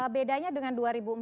bedanya dengan dua ribu empat belas